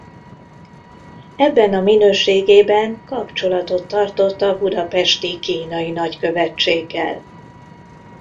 Ebben a minőségében kapcsolatot tartott a budapesti kínai nagykövetséggel.